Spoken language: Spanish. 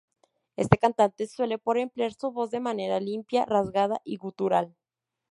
Este cantante suele por emplear su voz de manera limpia, rasgada y gutural.